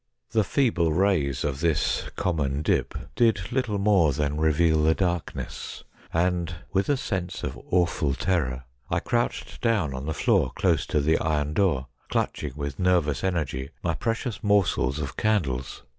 The feeble rays of this common dip did little more than reveal the darkness, and, with a sense of awful terror, I crouched down on the floor close to the iron door, clutching with nervous energy my preciou s morsels of candles.